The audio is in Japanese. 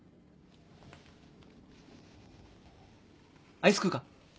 アイス食うか？